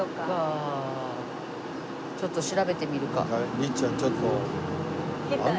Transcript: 律ちゃんちょっと。